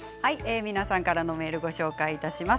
皆さんからのメールをご紹介します。